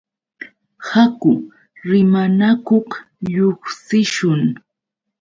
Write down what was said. Haku rimanakuq lluqsishun.